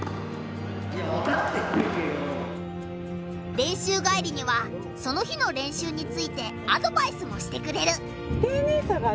練習帰りにはその日の練習についてアドバイスもしてくれる。